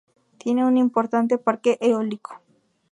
Tiene un importante parque eólico.